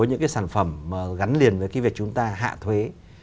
những cái sản phẩm gắn liền với cái việc chúng ta hạ thuế